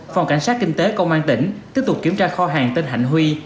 phòng cảnh sát kinh tế công an tỉnh tiếp tục kiểm tra kho hàng tên hạnh huy